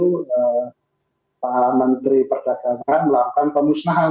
pak menteri perdagangan melakukan pemusnahan